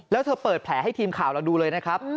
แล้วเธอเปิดแผลให้ทีมข่าวเราดูเลยนะครับ